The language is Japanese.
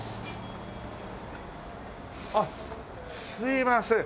あっすみません。